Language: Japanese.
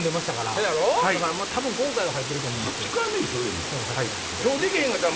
多分今回は入ってると思います。